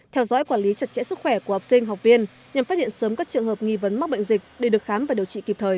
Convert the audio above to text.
theo dõi quản lý chặt chẽ sức khỏe của học sinh học viên nhằm phát hiện sớm các trường hợp nghi vấn mắc bệnh dịch để được khám và điều trị kịp thời